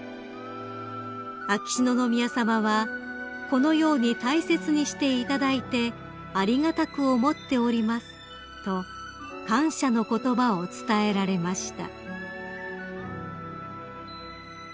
［秋篠宮さまは「このように大切にしていただいてありがたく思っております」と感謝の言葉を伝えられました］